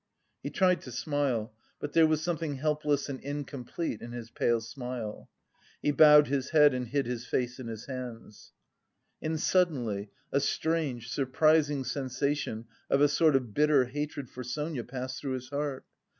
He tried to smile, but there was something helpless and incomplete in his pale smile. He bowed his head and hid his face in his hands. And suddenly a strange, surprising sensation of a sort of bitter hatred for Sonia passed through his heart.